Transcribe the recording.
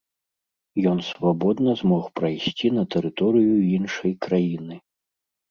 Ён свабодна змог прайсці на тэрыторыю іншай краіны.